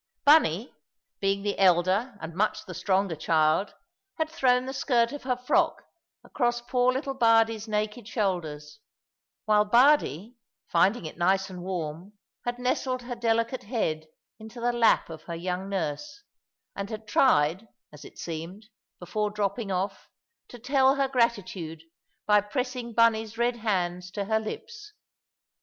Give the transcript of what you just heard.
Bunny, being the elder and much the stronger child, had thrown the skirt of her frock across poor little Bardie's naked shoulders; while Bardie, finding it nice and warm, had nestled her delicate head into the lap of her young nurse, and had tried (as it seemed), before dropping off, to tell her gratitude by pressing Bunny's red hands to her lips.